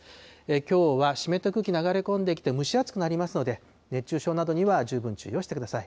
きょうは湿った空気流れ込んできて、蒸し暑くなりますので、熱中症などには十分注意をしてください。